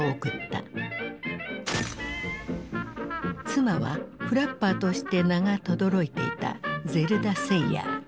妻はフラッパーとして名がとどろいていたゼルダ・セイヤー。